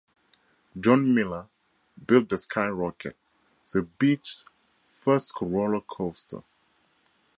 John Miller built "The Sky Rocket," the beach's first roller coaster.